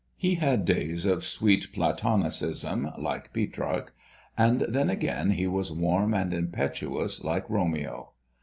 He had days of sweet Platonicism, like Petrarch, then again, he was warm and impetuous, like Romeo.